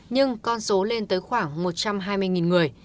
nhưng con số lên tới khoảng một trăm hai mươi người